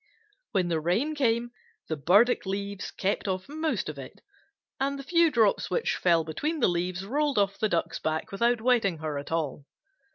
When the rain came, the burdock leaves kept off most of it, and the few drops which fell between the leaves rolled off the Duck's back without wetting her at all.